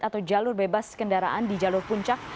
atau jalur bebas kendaraan di jalur puncak